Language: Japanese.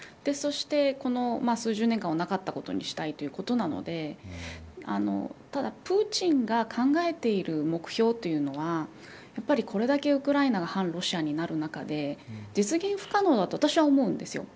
そして、この数十年間をなかったことにしたいということなのでただ、プーチンが考えている目標というのはやはりこれだけウクライナが反ロシアになる中で実現不可能だと私は思うんです。